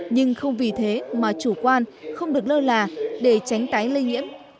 nhưng không vì thế mà chủ quan không được lơ là để tránh tái lây nhiễm